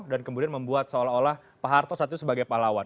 dan kemudian membuat seolah olah pak harto satu sebagai pahlawan